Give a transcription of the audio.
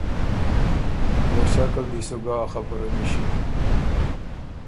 او ݭک ال دی سُو ګۀ ا خبُره نِݭی“